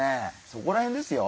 そこら辺ですよ